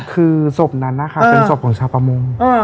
คือศพนั้นนะคะเป็นศพของชาวประมง